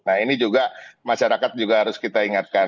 nah ini juga masyarakat juga harus kita ingatkan